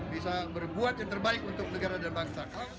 bisa berbuat yang terbaik untuk negara dan bangsa